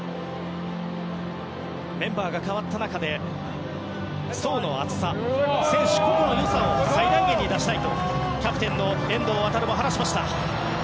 メンバーが変わった中で層の厚さ、選手個々の良さを最大限に出したいとキャプテンの遠藤航も話しました。